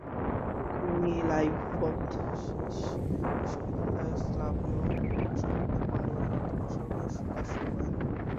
তিনি লাইপ্ৎসিশ বিশ্ববিদ্যালয়ে স্লাভীয় ভাষাতত্ত্বের খণ্ডকালীন অধ্যাপক হিসেবে কাজ শুরু করেন।